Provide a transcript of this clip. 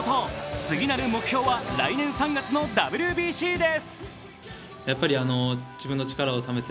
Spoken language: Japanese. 次なる目標は来年３月のＷＢＣです。